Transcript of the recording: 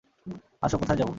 আসো -কোথায় যাব?